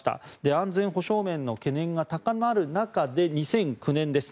安全保障面の懸念が高まる中で２００９年です。